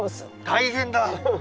大変だ。